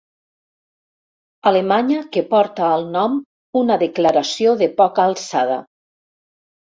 Alemanya que porta al nom una declaració de poca alçada.